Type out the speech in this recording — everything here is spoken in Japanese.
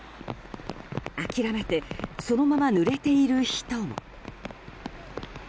諦めてそのままぬれている人も。